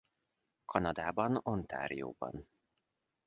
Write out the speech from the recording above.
Kanadában Ontarióban.